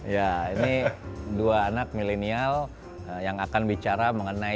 ya ini dua anak milenial yang akan bicara mengenai